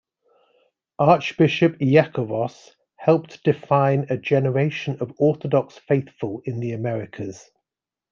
Archbishop Iakovos helped define a generation of Orthodox faithful in the Americas.